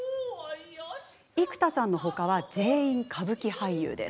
生田さんの他は全員、歌舞伎俳優です。